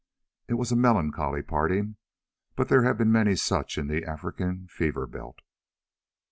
It was a melancholy parting, but there have been many such in the African fever belt.